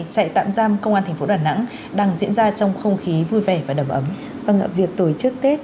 chạy tạm giam công an thành phố đà nẵng đang diễn ra trong không khí vui vẻ và đậm ấm và việc tổ chức tết